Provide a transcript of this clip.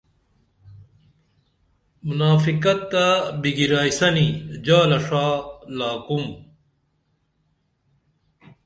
منافقت تہ بگرائیسنی جالہ ݜا لاکُم